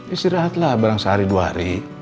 istirahatlah barang sehari dua hari